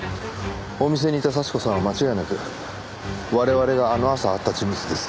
お店にいた幸子さんは間違いなく我々があの朝会った人物です。